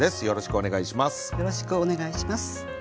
よろしくお願いします。